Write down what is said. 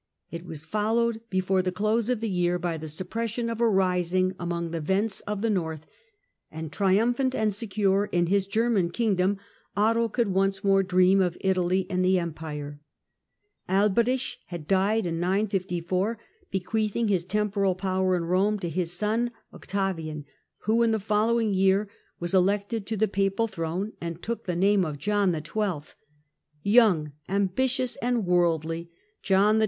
It was followed, before the close of the year, by the suppression of a rising among the Wends of the north ; and, triumphant and secure in his German kingdom, Otto could once more ream of Italy and of Empire. Alberic had died in 954, bequeathing his temporal wer in Rome to his son Octavian, who, in the following year, was elected to the papal throne, and took the name of John XII. Young, ambitious and worldly, John XII.